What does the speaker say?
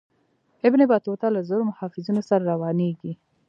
ابن بطوطه له زرو محافظینو سره روانیږي.